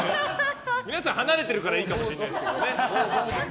皆さん、離れてるからいいかもしれないですけどね。